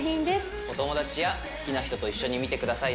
お友達や好きな人と一緒に見てくださいね。